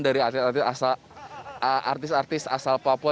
dari artis artis asal papua